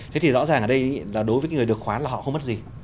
thế thì rõ ràng ở đây là đối với người được khoán là họ không mất gì